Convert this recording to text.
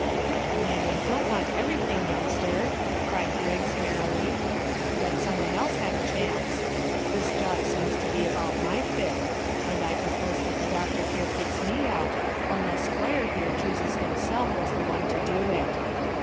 "Nay, don't want everything, youngster," cried Griggs merrily; "let some one else have a chance. This job seems to be about my fit, and I propose that the doctor here picks me out, unless squire here chooses himself as the one to do it."